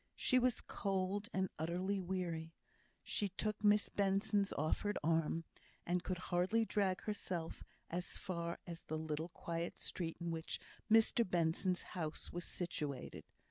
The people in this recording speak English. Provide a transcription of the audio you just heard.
She was cold, and utterly weary. She took Miss Benson's offered arm, and could hardly drag herself as far as the little quiet street in which Mr Benson's house was situated.